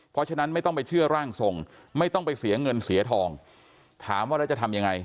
เพราะฉะนั้นไม่ต้องไปเชื่อร่างทรงไม่ต้องไปเสียเงินเสียทองถามว่าแล้วจะทำยังไง